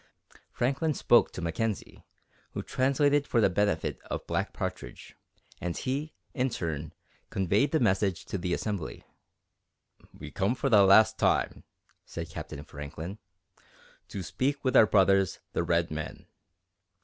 Franklin spoke to Mackenzie, who translated for the benefit of Black Partridge, and he, in turn, conveyed the message to the assembly. "We come for the last time," said Captain Franklin, "to speak with our brothers, the red men.